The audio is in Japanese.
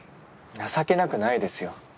情けなくないですよ。